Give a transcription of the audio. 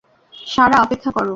সারা, অপেক্ষা করো।